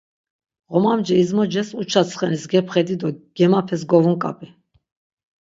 Ğomamci izmoces uça tsxenis gepxedi do gemapes govunk̆ap̆i.